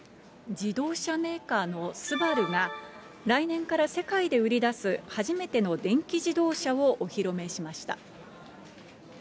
自動車メーカーのＳＵＢＡＲＵが、来年から世界で売り出す初めての電気自動車をお披露目しました。